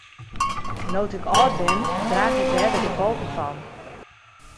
No't ik âld bin draach ik dêr de gefolgen fan.